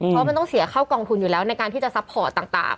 เพราะมันต้องเสียเข้ากองทุนอยู่แล้วในการที่จะซัพพอร์ตต่าง